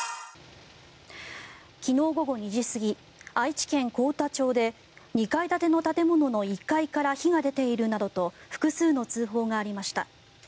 昨日午後２時過ぎ愛知県幸田町で２階建ての建物の１階から火が出ているなどと複数の通報がありました。